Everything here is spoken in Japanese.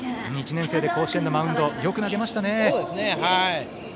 １年生で甲子園のマウンドよく投げましたね。